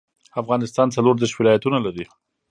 افغانستان څلور ديرش ولايتونه لري